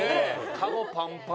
顔パンパン。